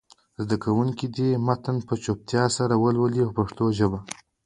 زده کوونکي دې متن په چوپتیا سره ولولي په پښتو ژبه.